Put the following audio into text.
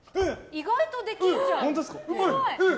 意外とできるじゃん。